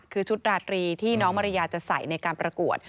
คือชุดราตรีที่น้องมาริยาจะใส่ในการประกวด